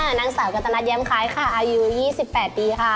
นางสาวกัตนัดแย้มคล้ายค่ะอายุ๒๘ปีค่ะ